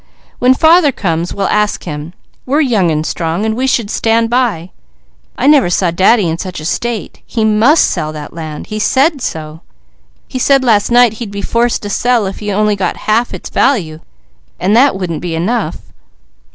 "When father comes, we'll ask him. We're young and strong, and we should stand by. I never saw Daddy in such a state. He must sell that land. He said so. He said last night he'd be forced to sell if he only got half its value, and that wouldn't be enough."